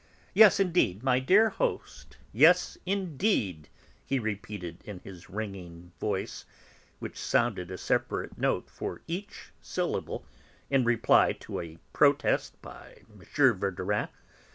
Yes, indeed, my dear host, yes, indeed!" he repeated in his ringing voice, which sounded a separate note for each syllable, in reply to a protest by M. Verdurin.